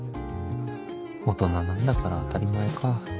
大人なんだから当たり前か